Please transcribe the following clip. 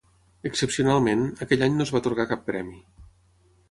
Excepcionalment, aquell any no es va atorgar cap premi.